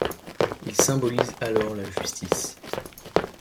Il symbolise alors la justice.